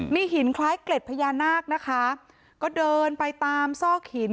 มีหินคล้ายเกล็ดพญานาคนะคะก็เดินไปตามซอกหิน